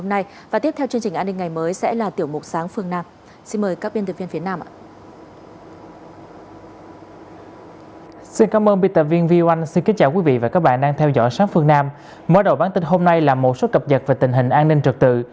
mở đầu bản tin hôm nay là một số cập nhật về tình hình an ninh trật tự